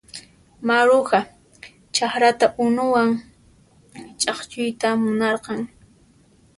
Maruja chakranta unuwan ch'akchuyta munarqan.